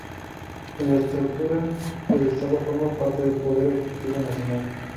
En la estructura del Estado forma parte del Poder Ejecutivo Nacional.